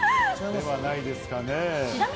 ではないですかね。